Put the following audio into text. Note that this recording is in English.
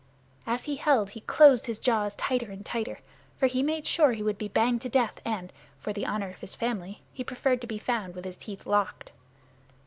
As he held he closed his jaws tighter and tighter, for he made sure he would be banged to death, and, for the honor of his family, he preferred to be found with his teeth locked.